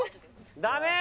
ダメ？